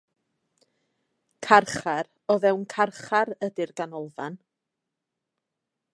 Carchar o fewn carchar ydy'r ganolfan.